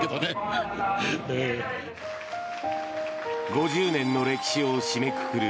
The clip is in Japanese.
５０年の歴史を締めくくる